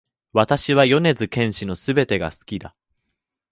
私は米津玄師の全てが好きだ